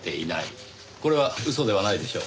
これは嘘ではないでしょう。